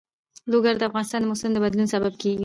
لوگر د افغانستان د موسم د بدلون سبب کېږي.